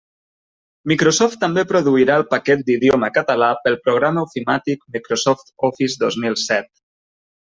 Microsoft també produirà el paquet d'idioma català pel programa ofimàtic Microsoft Office dos mil set.